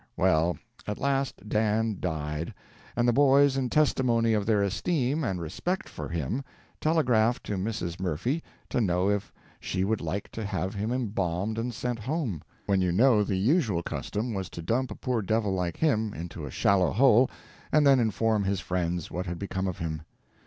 Well, at last Dan died; and the boys, in testimony of their esteem and respect for him, telegraphed to Mrs. Murphy to know if she would like to have him embalmed and sent home, when you know the usual custom was to dump a poor devil like him into a shallow hole, and then inform his friends what had become of him.